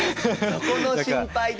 そこの心配でね！？